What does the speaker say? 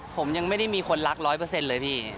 ผมยังไม่ได้มีคนรักร้อยเปอร์เซ็นต์เลยพี่